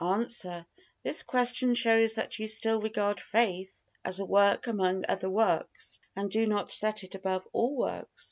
Answer: This question shows that you still regard faith as a work among other works, and do not set it above all works.